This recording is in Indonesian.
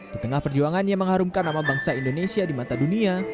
di tengah perjuangan yang mengharumkan nama bangsa indonesia di mata dunia